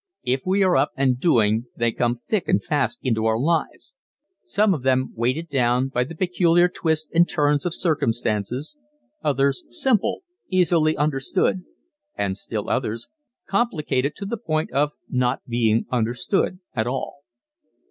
If we are up and doing they come thick and fast into our lives, some of them weighted down by the peculiar twists and turns of circumstances, others simple, easily understood, and still others complicated to the point of not being understood at all.